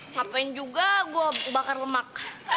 ngapain juga gue bakar lemak